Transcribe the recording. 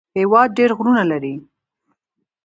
هېواد ډېر غرونه لري